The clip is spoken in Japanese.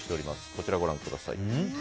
こちらご覧ください。